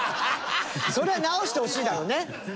それは直してほしいだろうね。